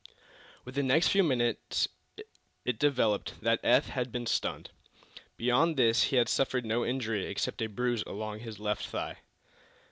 Within the next few minutes it developed that Eph had been stunned. Beyond this he had suffered no injury except a bruise along the left thigh.